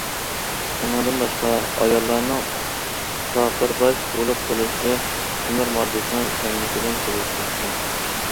ئۇنىڭدىن باشقا، ئاياللارنىڭ تاقىر باش بولۇپ قېلىشى تۆمۈر ماددىسىنىڭ كەملىكىدىن بولۇشى مۇمكىن.